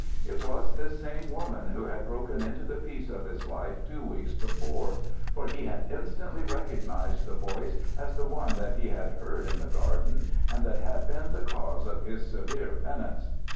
It was this same woman who had broken into the peace of his life two weeks before, for he had instantly recognized the voice as the one that he had heard in the garden and that had been the cause of his severe penance.